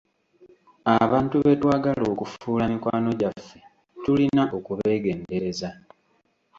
Abantu betwagala okufuula mikwano gyaffe tulina okubeegendereza.